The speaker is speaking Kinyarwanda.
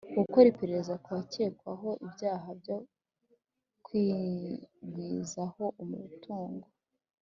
gukora iperereza ku bakekwaho ibyaha byo kwigwizaho umutungo